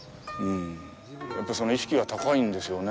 やっぱりその意識が高いんですよね。